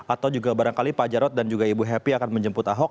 atau juga barangkali pak jarod dan juga ibu happy akan menjemput ahok